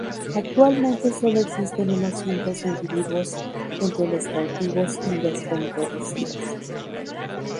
Actualmente solo existen unos cientos de individuos entre los cautivos y los reintroducidos.